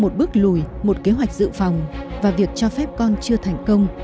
một bước lùi một kế hoạch dự phòng và việc cho phép con chưa thành công